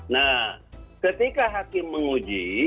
nah ketika hakim menguji